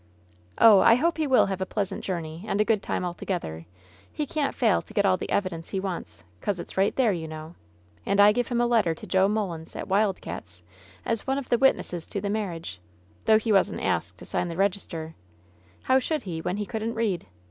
"Oh, I hope he will have a pleasant journey and a good time altogether I He can't fail to get all the evi dence he wants, 'cause it's right there, you know ! And I give him a letter to Joe Mullins, at Wild Cats', as one of the witnesses to the marriage, though he wasn't asked to sign the register I How should he, when he couldn't read